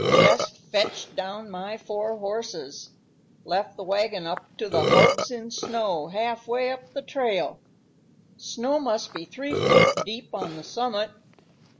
Jest fetched down my four horses left the wagon up to the hubs in snow half way up the trail snow must be three foot deep on the summit.